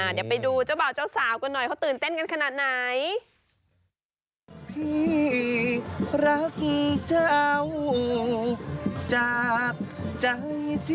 เดี๋ยวไปดูเจ้าบ่าวเจ้าสาวกันหน่อยเขาตื่นเต้นกันขนาดไหน